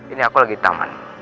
ini aku lagi taman